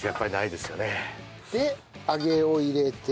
で揚げを入れて。